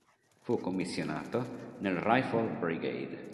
Fu commissionato nel Rifle Brigade.